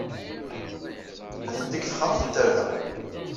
Atenti deg texxamt n tarda.